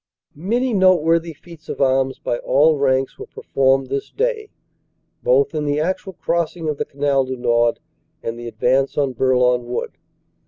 Many noteworthy feats of arms by all ranks were per formed this day, both in the actual crossing of the Canal du Nord and the advance on Bourlon Wood.